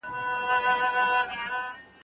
موږ د اسلامي شريعت احکام نه ماتوو.